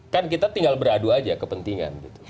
kan kita tinggal beradu aja kepentingan